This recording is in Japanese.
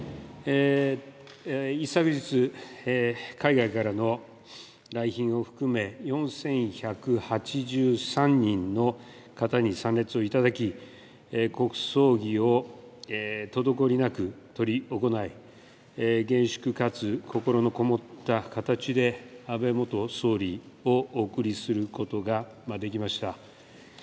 一昨日、海外からの来賓を含め、４１８３人の方に参列をいただき、国葬儀を滞りなく執り行い、厳粛かつ心の込もった形で安倍元総理をお送りすることができました。